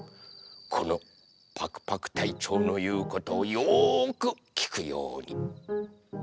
このパクパクたいちょうのいうことをよくきくように。